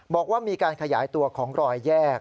บอกว่ามีการขยายตัวของรอยแยก